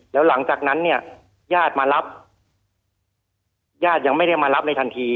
แล้วหลังจากนั้นเนี่ยญาติมารับญาติยังไม่ได้มารับเลยทันที